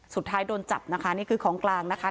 สุดท้ายโดนจับนะคะนี่คือของกลางนะคะ